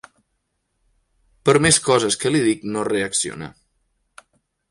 Per més coses que li dic no reacciona.